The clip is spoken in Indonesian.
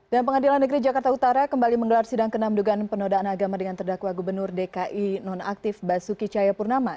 dan pengadilan negeri jakarta utara kembali menggelar sidang ke enam dugaan penodaan agama dengan terdakwa gubernur dki nonaktif basuki cahayapurnama